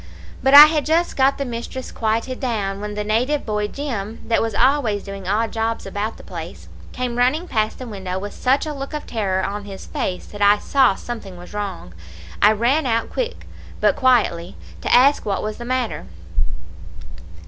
"But I had just got the mistress quieted down, when the native boy Jim, that was always doing odd jobs about the place, came running past the window with such a look of terror on his face that I saw something was wrong. I ran out quick but quietly, to ask what was the matter.